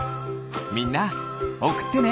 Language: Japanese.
みんなおくってね。